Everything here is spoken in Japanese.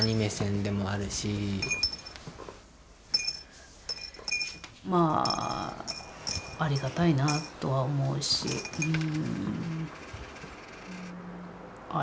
うんでもまあありがたいなとは思うしうん。